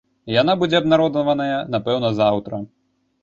Яна будзе абнародаваная, напэўна, заўтра.